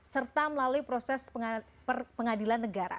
serta melalui proses pengadilan negara